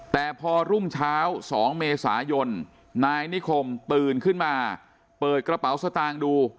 แต่พอรุ่งเช้า๒เมษายนนายนิคมตื่นขึ้นมาเปิดกระเป๋าสตางค์ดู